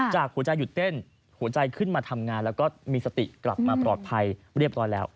หัวใจหยุดเต้นหัวใจขึ้นมาทำงานแล้วก็มีสติกลับมาปลอดภัยเรียบร้อยแล้ว